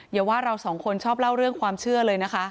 อย่าว่าเราสองคนชอบเล่าเรื่องความเชื่อเลยนะคะ